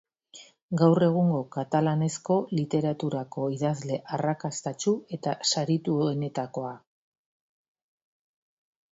Gaur egungo katalanezko literaturako idazle arrakastatsu eta sarituenetakoa.